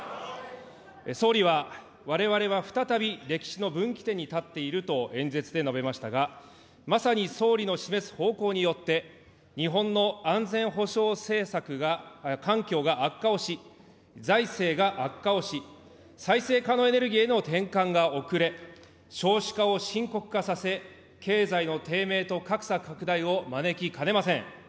総理は、われわれは再び、歴史の分岐点に立っていると演説で述べましたが、まさに総理の示す方向によって、日本の安全保障政策が、環境が悪化をし、財政が悪化をし、再生可能エネルギーへの転換が遅れ、少子化を深刻化させ、経済の低迷と格差拡大を招きかねません。